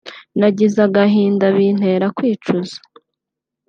nagize agahinda bintera kwicuza